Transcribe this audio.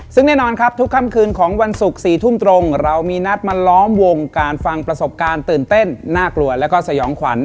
ซึ่งแน่นอนครับทุกค่ำคืนของวันศุกร์๔ทุ่มตรงเรามีนัดมาล้อมวงการฟังประสบการณ์ตื่นเต้นน่ากลัวแล้วก็สยองขวัญ